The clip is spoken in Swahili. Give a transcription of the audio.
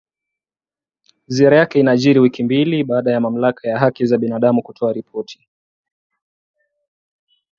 Ziara yake inajiri wiki mbili baada ya Mamlaka ya haki za binadamu kutoa ripoti